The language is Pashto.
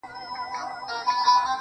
لپاره دې ښار كي په جنگ اوسېږم~